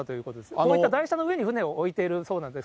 こういった台車の上に船を置いているそうなんです。